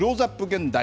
現代。